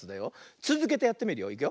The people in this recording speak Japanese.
つづけてやってみるよ。いくよ。